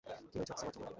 কী হয়েছে, সামার জি?